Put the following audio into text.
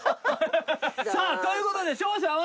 さあという事で勝者は。